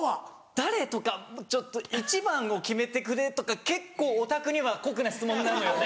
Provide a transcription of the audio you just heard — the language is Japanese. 誰とかちょっと一番を決めてくれとか結構オタクには酷な質問なのよね。